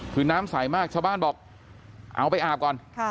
คือน้ำใสมากชาวบ้านบอกเอาไปอาบก่อน